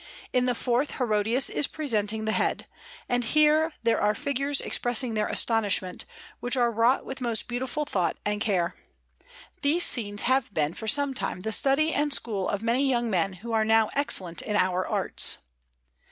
In the fourth Herodias is presenting the head; and here there are figures expressing their astonishment, which are wrought with most beautiful thought and care. These scenes have been for some time the study and school of many young men who are now excellent in our arts.